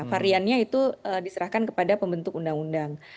variannya itu diserahkan kepada pembentuk undang undang